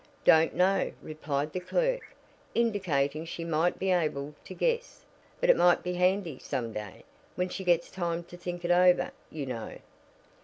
"Don't know," replied the clerk, indicating she might be able to guess; "but it might be handy some day. When she gets time to think it over, you know."